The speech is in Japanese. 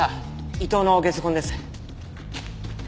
伊藤のゲソ痕です。